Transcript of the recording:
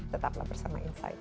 tetaplah bersama insight